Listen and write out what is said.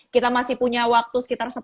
kita masih punya waktu sekitar